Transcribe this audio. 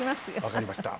わかりました。